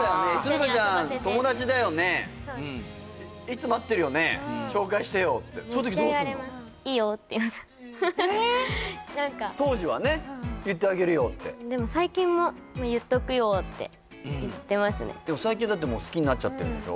涼香ちゃん友達だよねいつも会ってるよね紹介してよってそういうときどうすんの？え当時はね言ってあげるよってでも最近も「言っとくよ」って言ってますねでも最近はだってもう好きになっちゃってるんでしょ？